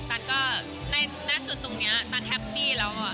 ตันก็ในหน้าสุดตรงนี้ตันแฮปปี้แล้ว